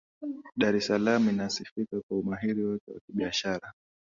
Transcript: dar es salaam inasifika kwa umahiri wake wa kibiashara